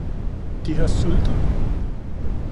De har sultet den